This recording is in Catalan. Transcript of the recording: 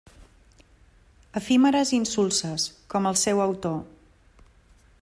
Efímeres i insulses, com el seu autor.